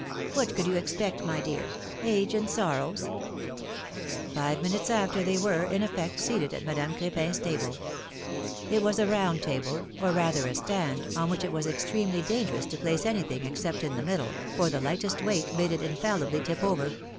What could you expect, my dear? Age and sorrows — Five minutes after they were, in eifect, seated at Madame Cr4pin^s table. It was a round table, or rather a stand, on which it was extremely dangerous to place any thing except in the middle, for the lightest weight made it infallibly tip over.